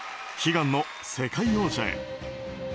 悲願の世界王者へ。